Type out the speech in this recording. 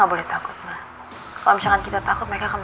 kalau kamu tahu apa yang digunakan